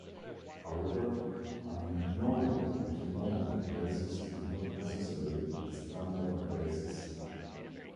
However, an ordered orthonormal basis is not necessarily a standard basis.